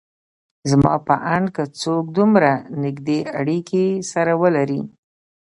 زما په اند که څوک دومره نيږدې اړکې سره ولري